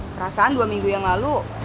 perasaan dua minggu yang lalu